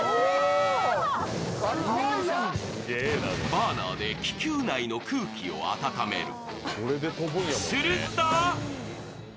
バーナーで気球内の空気を温める。